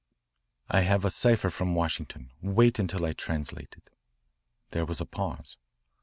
"I have a cipher from Washington. Wait until I translate it." There was a pause.